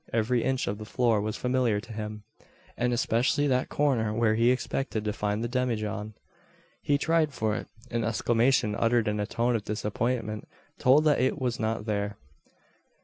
Every inch of the floor was familiar to him; and especially that corner where he expected to find the demijohn. He tried for it. An exclamation uttered in a tone of disappointment told that it was not there.